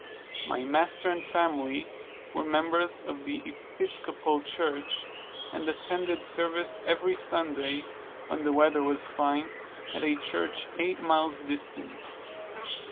My master and family were members of the Episcopal Church, and attended service every Sunday, when the weather was fine, at a church eight miles distant.